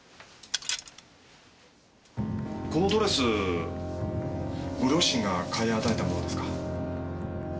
このドレスご両親が買い与えたものですか？